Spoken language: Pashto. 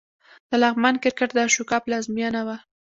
د لغمان کرکټ د اشوکا پلازمېنه وه